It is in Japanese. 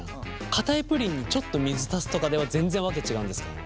かたいプリンにちょっと水足すとかでは全然訳違うんですか？